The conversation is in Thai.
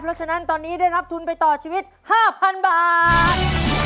เพราะฉะนั้นตอนนี้ได้รับทุนไปต่อชีวิต๕๐๐๐บาท